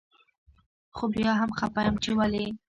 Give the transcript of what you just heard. خو بيا هم خپه يم چي ولي